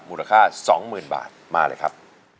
มูลค่าสองหมื่นบาทมาเลยครับ